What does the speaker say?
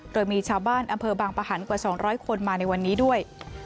โดยมีชาวบ้านอำเภอบางประหันกว่า๒๐๐คนมาในวันนี้ด้วย